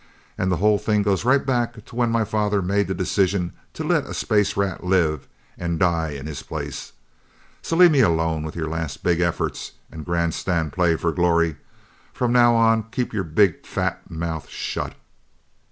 And the whole thing goes right back to when my father made the decision to let a space rat live, and die in his place! So leave me alone with your last big efforts and grandstand play for glory. From now on, keep your big fat mouth shut!"